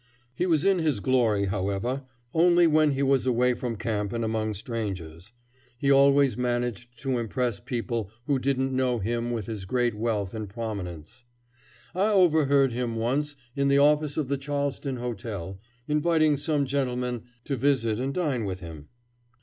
He was in his glory, however, only when he was away from camp and among strangers. He always managed to impress people who didn't know him with his great wealth and prominence. I overheard him once, in the office of the Charleston Hotel, inviting some gentlemen to visit and dine with him.